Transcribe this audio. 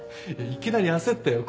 いきなり焦ったよ